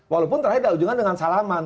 walaupun terakhir ada hubungan dengan salaman